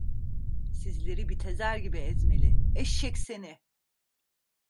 Sizleri bit ezer gibi ezmeli… Eşşek seni…